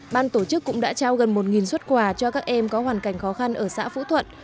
ban tổ chức cũng đã trao gần một xuất quà cho các em có hoàn cảnh khó khăn ở xã phú thuận